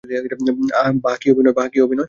বাহ কি অভিনয়।